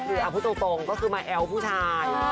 คือเอาพูดตรงก็คือมาแอ้วผู้ชาย